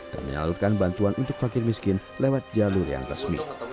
dan menyalurkan bantuan untuk fakir miskin lewat jalur yang resmi